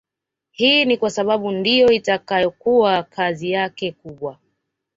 Hii ni kwa sababu ndiyo itakayokuwa kazi yake kubwa